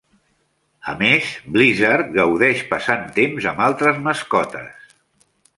A més, Blizzard gaudeix passant temps amb altres mascotes.